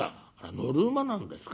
「乗る馬なんですか。